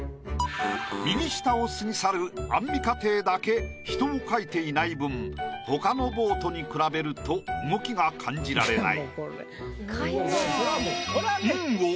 右下を過ぎ去るアンミカ艇だけ人を描いていない分他のボートに比べると動きが感じられない。